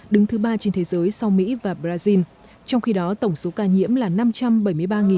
đứng thứ ba trên thế giới sau mỹ và brazil trong khi đó tổng số ca nhiễm là năm trăm bảy mươi ba tám trăm linh ca